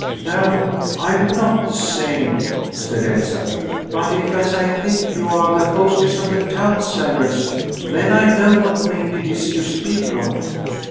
"No, I am not the same," said Elsalill, "but if, as I think, you are the hostess of the Town Cellars, then I know what maid it is you speak of."